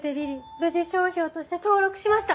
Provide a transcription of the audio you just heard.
無事商標として登録しました。